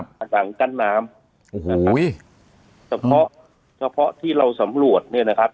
ครับดังกั้นน้ำโอ้โหเพราะเพราะที่เราสำรวจเนี้ยนะครับ